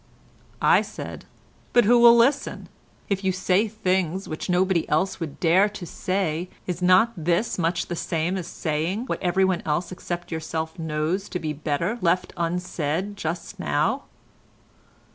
I said: "But who will listen? If you say things which nobody else would dare to say is not this much the same as saying what everyone except yourself knows to be better left unsaid just now?"